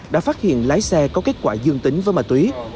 đồng tiền lái xe có kết quả dương tính với ma túy